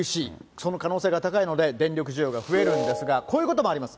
その可能性が高いので、電力需要が増えるんですが、こういうこともあります。